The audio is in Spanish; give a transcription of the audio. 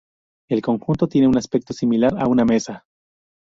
El conjunto tiene un aspecto similar a una mesa.